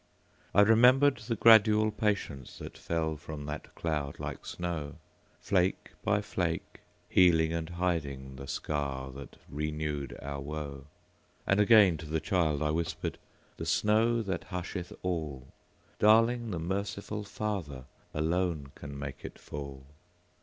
I remembered the gradual patienceThat fell from that cloud like snow, Flake by flake, healing and hidingThe scar that renewed our woe. And again to the child I whispered,"The snow that husheth all, Darling, the merciful FatherAlone can make it fall!"